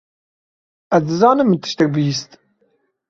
Ez dizanim min tiştek bihîst.